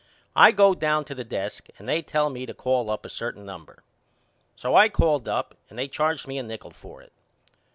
I go down to the desk and they tell me to call up a certain number. So I called up and they charged me a nickel for it.